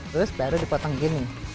terus baru dipotong gini